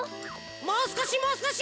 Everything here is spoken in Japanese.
もうすこしもうすこし！